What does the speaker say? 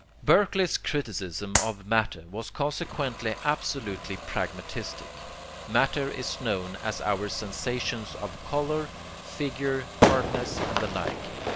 Berkeley's criticism of 'matter' was consequently absolutely pragmatistic. Matter is known as our sensations of colour, figure, hardness and the like.